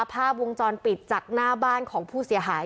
ภาพวงจรปิดจากหน้าบ้านของผู้เสียหาย